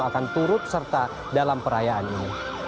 akan turut serta dalam perayaan ini